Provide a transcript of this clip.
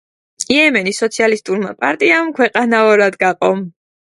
იემენის სოციალისტურმა პარტიამ ქვეყანა ორად გაყო.